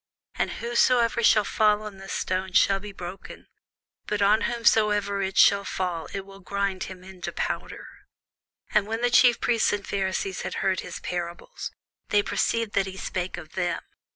And whosoever shall fall on this stone shall be broken: but on whomsoever it shall fall, it will grind him to powder. And when the chief priests and Pharisees had heard his parables, they perceived that he spake of them.